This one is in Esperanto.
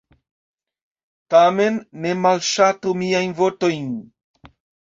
Tamen, ne malŝatu miajn vortojn.